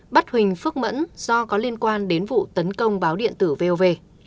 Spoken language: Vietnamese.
bắt huỳnh phước mẫn do có liên quan đến vụ tấn công báo điện tử vov